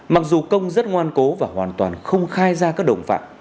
mặc dù công rất ngoan cố và hoàn toàn không khai ra các đồng phạm